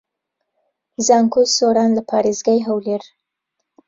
زانکۆی سۆران لە پارێزگای هەولێر